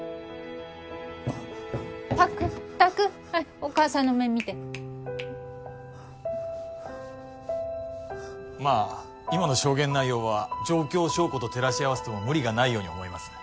拓拓はいお母さんの目見てまあ今の証言内容は状況証拠と照らし合わせても無理がないように思います